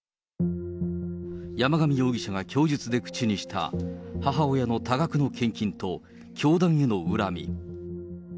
山上容疑者が供述で口にした、母親の多額の献金と教団への恨み。